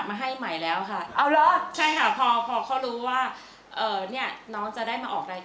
พี่ว่ามันหวั่นแค้น